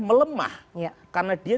melemah karena dia